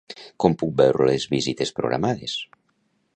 Com puc veure les visites programades?